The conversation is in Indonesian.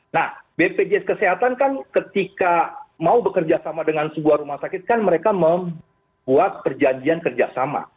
nah bpjs kesehatan kan ketika mau bekerja sama dengan sebuah rumah sakit kan mereka membuat perjanjian kerjasama